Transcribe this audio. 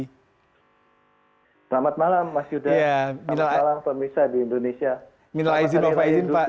selamat malam mas yuda selamat malam pemirsa di indonesia